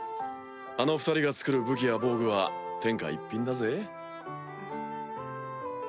あの２人が作る武器や防具は天下一品だぜ。